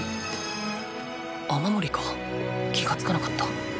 雨もりか気が付かなかった。